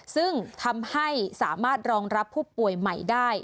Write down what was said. ซึ่งทำให้สามารถรองรับผู้ป่วยใหม่ได้